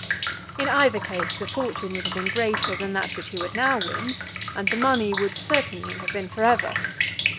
In either case, the fortune would have been greater than that which he would now win, and the money would certainly have been for ever.